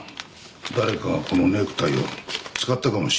誰かがこのネクタイを使ったかもしれない。